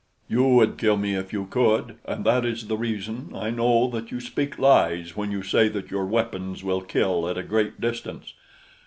You would kill me if you could, and that is the reason I know that you speak lies when you say that your weapons will kill at a great distance.